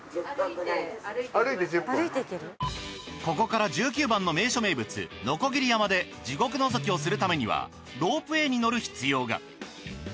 ここから１９番の名所名物のこぎり山で地獄のぞきをするためにはロープウェーに乗る必要が。